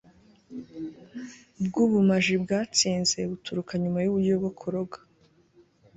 bwubumaji bwatsinze buturuka nyuma yuburyo bwo kuroga